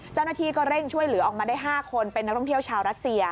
เจ้าหน้าที่ก็เร่งช่วยเหลือออกมาได้๕คนเป็นนักท่องเที่ยวชาวรัสเซีย